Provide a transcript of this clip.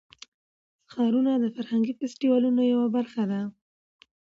ښارونه د فرهنګي فستیوالونو یوه برخه ده.